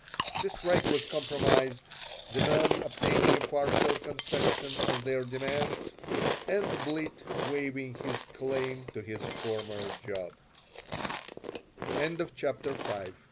The strike was compromised, the men obtaining a partial concession of their demands and Blitt waiving his claim to his former job CHAPTER VI MY business continued to